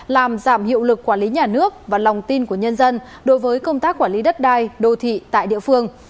làm giảm hiệu lực quản lý nhà nước và lòng tin của nhân dân đối với công tác quản lý đất đai đô thị tại địa phương